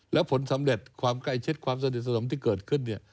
แล้วผลสำเร็จความใกล้ชิดความสนิทสนมที่เกิดขึ้นเนี่ย